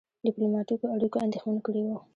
ډيپلوماټیکو اړیکو اندېښمن کړی وو.